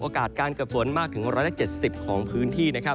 โอกาสการเกิดฝนมากถึง๑๗๐องศาเซียสของพื้นที่นะครับ